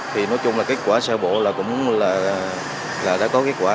thì nói chung là kết quả sơ bộ là cũng là đã có kết quả